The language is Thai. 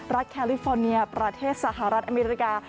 แคลิฟอร์เนียประเทศสหรัฐอเมริกา